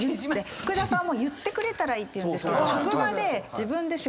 福田さんも「言ってくれたらいい」って言うんですけど。